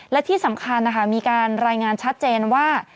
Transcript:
และที่สำคัญนะคะมีการรายงานชัดเจนว่า